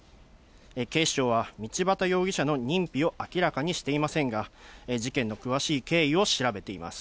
警視庁は、道端容疑者の認否を明らかにしていませんが、事件の詳しい経緯を調べています。